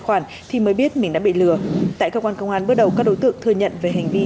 khoản thì mới biết mình đã bị lừa tại cơ quan công an bước đầu các đối tượng thừa nhận về hành vi